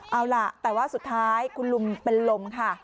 เอาล่ะแต่ว่าสุดท้ายคุณลุงเป็นลมค่ะ